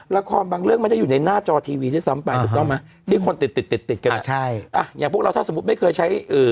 รละครบางเรื่องมันจะอยู่ในหน้าจอทีวีที่สำ